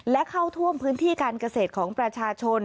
และเข้าท่วมพื้นที่การเกษตรของประชาชน